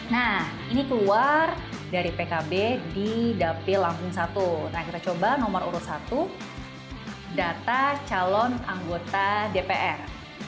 nah ini keluar dari pkb di dapil langsung satu nah kita coba nomor urut satu data calon anggota dpr